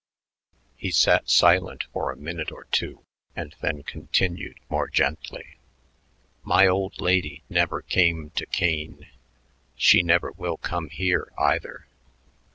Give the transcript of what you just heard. He sat silent for a minute or two and then continued more gently. "My old lady never came to Kane. She never will come here, either.